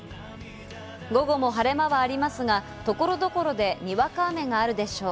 午後も晴れ間はありますが、所々でにわか雨があるでしょう。